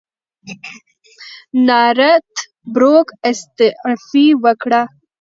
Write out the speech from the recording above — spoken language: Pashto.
نارت بروک استعفی وکړه.